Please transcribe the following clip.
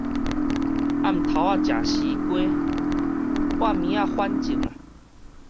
暗頭仔食西瓜，半暝仔反症